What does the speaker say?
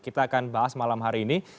kita akan bahas malam hari ini